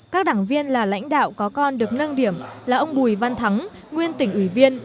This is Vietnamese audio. các đảng viên là lãnh đạo có con được nâng điểm là ông bùi văn thắng nguyên tỉnh ủy viên